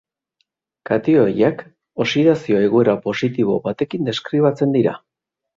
Katioiak, oxidazio egoera positibo batekin deskribatzen dira.